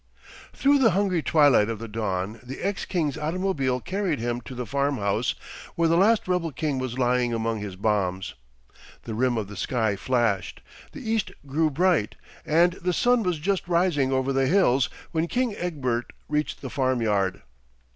Through the hungry twilight of the dawn the ex king's automobile carried him to the farm house where the last rebel king was lying among his bombs. The rim of the sky flashed, the east grew bright, and the sun was just rising over the hills when King Egbert reached the farm yard.